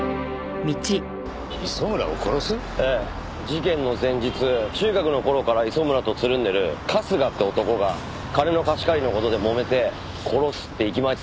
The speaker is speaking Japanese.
事件の前日中学の頃から磯村とつるんでる春日って男が金の貸し借りの事でもめて殺すって息巻いてたそうです。